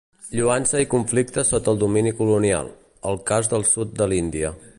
Lloança i conflicte sota el domini colonial: el cas del sud de l'Índia.